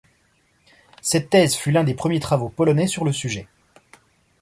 Cette thèse fut l'un des premiers travaux polonais sur le sujet.